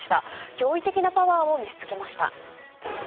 驚異的なパワーを見せつけました。